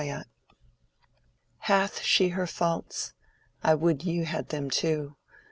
CHAPTER LV. Hath she her faults? I would you had them too.